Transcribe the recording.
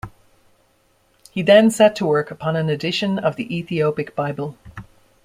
He then set to work upon an edition of the Ethiopic Bible.